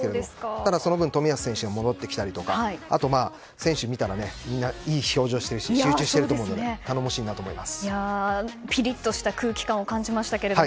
ただ、その分冨安選手が戻ってきたりとか選手を見たらいい表情をしているし集中していたのでピリッとした空気感を感じました。